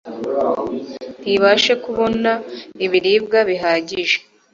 ntibashe kubona ibiribwa bibahagije